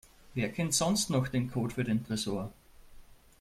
Wer kennt sonst noch den Code für den Tresor?